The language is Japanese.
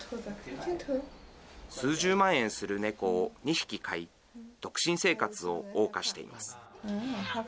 数十万円する猫を２匹飼い、独身生活をおう歌しています。